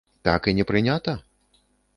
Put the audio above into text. Так і не прынята?